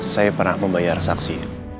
saya pernah membayar saksi